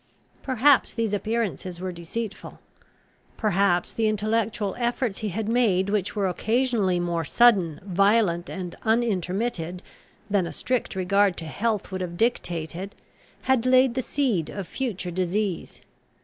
Perhaps these appearances were deceitful. Perhaps the intellectual efforts he had made, which were occasionally more sudden, violent, and unintermitted, than a strict regard to health would have dictated, had laid the seed of future disease.